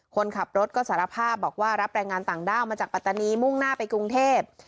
คนขับรถก็สารภาพบอกว่ารับแรงงานต่างด้าวมาจากปัตตานีมุ่งหน้าไปกรุงเทพ